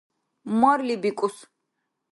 Марли бикӀус.